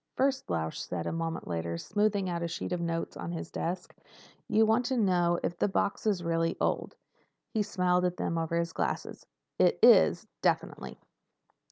"First," Lausch said a moment later, smoothing out a sheet of notes on his desk, "you wanted to know if the box is really old." He smiled at them over his glasses. "It is—definitely.